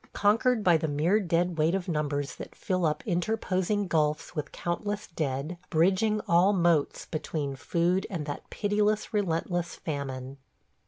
Conquered by the mere dead weight of numbers that fill up interposing gulfs with countless dead, bridging all moats between food and that pitiless, relentless famine.